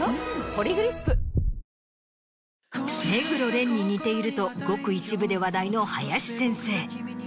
「ポリグリップ」目黒蓮に似ているとごく一部で話題の林先生。